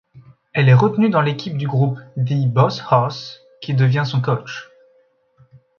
Elle est retenue dans l'équipe du groupe The BossHoss, qui devient son coach.